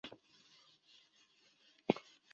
构成集合的事物或对象称作元素或是成员。